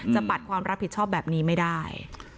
ปัดความรับผิดชอบแบบนี้ไม่ได้